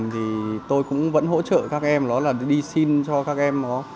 thì trong một vài năm trở lại đây